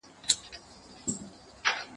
زه له سهاره د کتابتون کتابونه لوستل کوم!؟